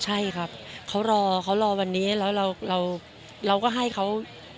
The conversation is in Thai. ใช่ครับเขารอเขารอวันนี้แล้วเราก็ให้เขา